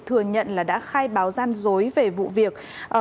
thừa nhận là đã khai báo gian dối về vụ việc